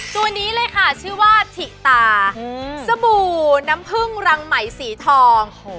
ตัวนี้เลยค่ะชื่อว่าถิตาสบู่น้ำผึ้งรังไหมสีทอง